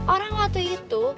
orang waktu itu